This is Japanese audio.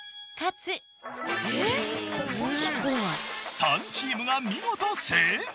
３チームが見事正解。